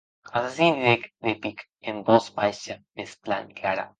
Assassin, didec de pic, en votz baisha mès plan clara.